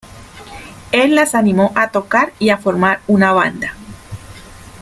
El las animó a tocar y a formar una banda.